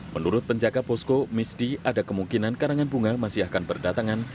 menurut penjaga posko misdi ada kemungkinan karangan bunga masih akan berdatangan